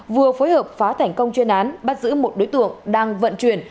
vừa phối hợp phá thành công chuyên án bắt giữ một đối tượng đang vận chuyển